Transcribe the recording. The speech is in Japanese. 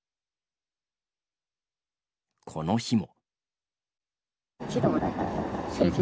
この日も。